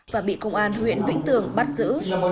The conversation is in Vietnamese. và bị công an huyện vĩnh tường bắt giữ